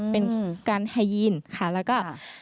เป็นการไฮยีนค่ะแล้วก็